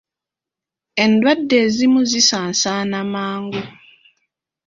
Endwadde ezimu zisaasaana mangu.